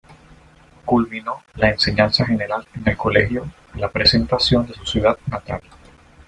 Culminó la enseñanza general en el Colegio La Presentación, de su ciudad natal.